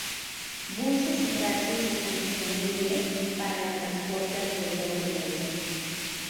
Buses y taxis están disponible para el transporte alrededor de la isla.